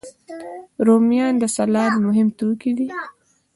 رومیان د سلاد مهم توکي دي